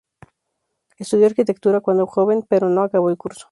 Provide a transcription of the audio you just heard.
Estudió arquitectura cuando joven, pero no acabó el curso.